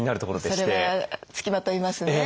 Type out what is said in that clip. それはつきまといますね。